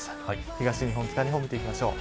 東日本北日本、見ていきましょう。